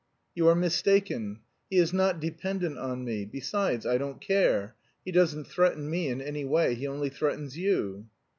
"You are mistaken. He is not dependent on me. Besides, I don't care; he doesn't threaten me in any way; he only threatens you."